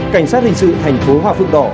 cảnh sát hình sự thành phố hòa phượng đỏ